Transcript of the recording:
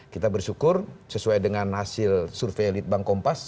kita bersyukur sesuai dengan hasil survei litbang kompas